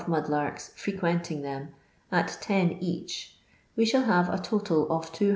mud larkf frequenting them at 10 each, we shall hare a total of 280.